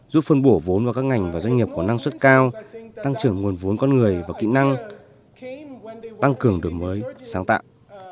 giúp phân bổ vốn vào các ngành và doanh nghiệp có năng suất cao tăng trưởng nguồn vốn con người và kỹ năng tăng cường đổi mới sáng tạo